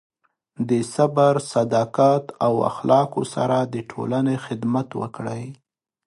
د صبر، صداقت، او اخلاقو سره د ټولنې خدمت وکړئ.